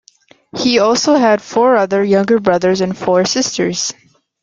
He also had four other younger brothers and four sisters.